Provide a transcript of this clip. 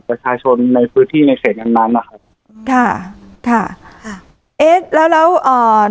ประชาชนในพื้นที่ในเขตนั้นนะครับค่ะค่ะเอ๊ะแล้วแล้วอ่า